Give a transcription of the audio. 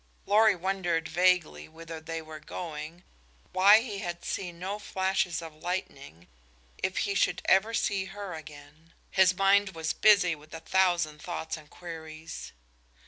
Lorry wondered vaguely whither they were going, why he had seen no flashes of lightning, if he should ever see her again. His mind was busy with a thousand thoughts and queries.